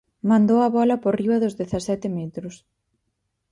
Mandou a bola por riba dos dezasete metros.